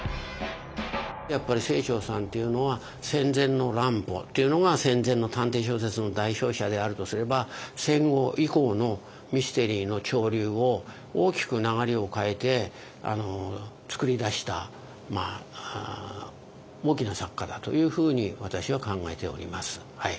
やっぱり清張さんっていうのは戦前の乱歩っていうのが戦前の探偵小説の代表者であるとすれば戦後以降のミステリーの潮流を大きく流れを変えて作り出した大きな作家だというふうに私は考えております。